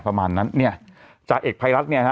ประมาณนั้นเนี่ยจ่าเอกภัยรัฐเนี่ยฮะ